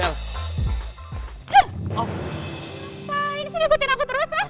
apaan sih ini ikutin aku terus ya